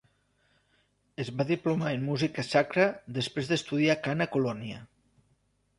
Es va diplomar en música sacra després d'estudiar cant a Colònia.